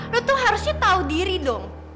lu tuh harusnya tahu diri dong